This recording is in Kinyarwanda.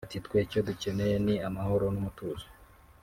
Ati “Twe icyo dukeneye ni amahoro n’umutuzo